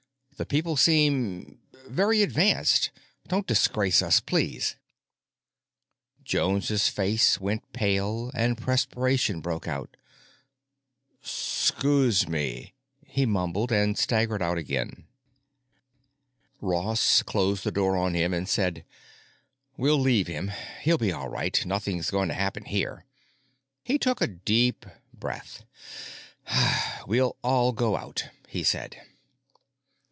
The people seem—very advanced. Don't disgrace us. Please!" Jones's face went pale and perspiration broke out. "'Scuse me," he mumbled, and staggered out again. Ross closed the door on him and said, "We'll leave him. He'll be all right; nothing's going to happen here." He took a deep breath. "We'll all go out," he said.